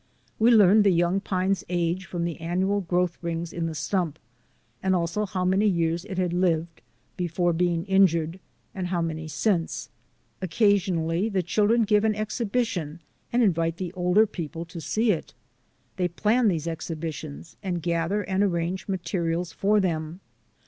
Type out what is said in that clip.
We learned the young pine's age from the annual growth rings in the stump, and also how many years it had lived before being injured and how many since. Occasionally the children give an exhibition and invite the older people to see it. They plan these exhibitions and gather and arrange materials for them.